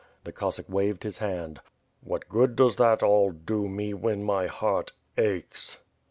The Cossack waved his hand. 'T^at good does that all do me, when my heart aehes?"